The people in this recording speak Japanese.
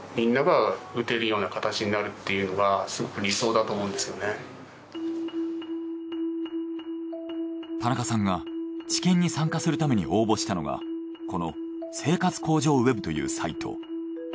きちっとね田中さんが治験に参加するために応募したのがこの生活向上ＷＥＢというサイト。